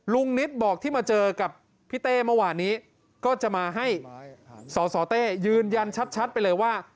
นิตบอกที่มาเจอกับพี่เต้เมื่อวานนี้ก็จะมาให้สสเต้ยืนยันชัดไปเลยว่า